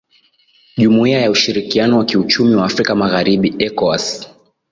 jumuiya ya ushirikiano wa kiuchumi wa afrika magharibi ecowas